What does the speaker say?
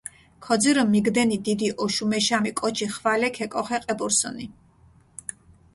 ქოძირჷ მიგდენი დიდი ოშუმეშამი კოჩი ხვალე ქეკოხე ყებურსჷნი.